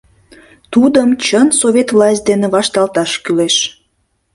— Тудым чын совет власть дене вашталташ кӱлеш.